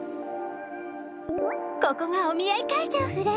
ここがお見合い会場フラ。